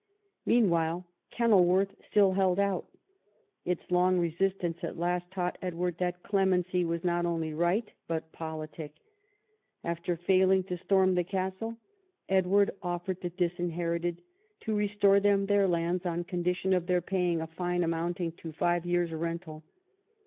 Meanwhile Kenilworth still held out. Its long resistance at last taught Edward that clemency was not only right but politic. After failing to storm the castle, Edward offered the " Disinherited " to restore them their lands on condition of their paying a fine amounting to five years' rental.